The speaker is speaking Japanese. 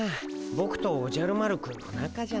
ボクとおじゃる丸くんの仲じゃない。